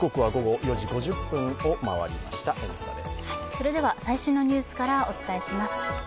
それでは最新のニュースからお伝えします。